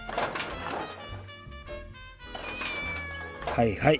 はいはい。